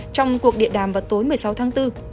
trong cuộc điện đàm vào tối một mươi sáu tháng bốn